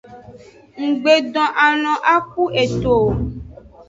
Nggbe don alon a ku eto o.